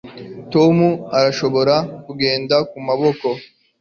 Tom arashobora kugenda kumaboko